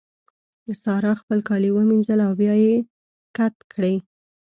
سارا خپل کالي ومينځل او بيا يې کت کړې.